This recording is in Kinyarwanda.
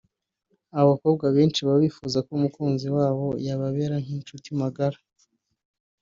Abakobwa benshi baba bifuza ko umukunzi wabo yababera n’inshuti magara